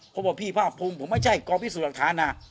ผมบอกพี่ภาพภูมิผมไม่ใช่กรพิสุทธิ์หลักฐานอ่ะ